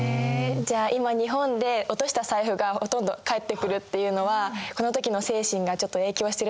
じゃあ今日本で落とした財布がほとんど返ってくるっていうのはこの時の精神がちょっと影響してるんですかね？